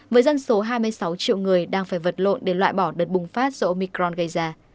với dân số hai mươi sáu triệu người đang phải vật lộn để loại bỏ đợt bùng phát do omicron gây ra